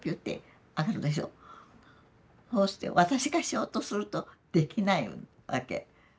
そうして私がしようとするとできないわけ。